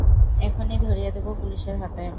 এখনই ধরিয়ে দেব পুলিসের হাতে।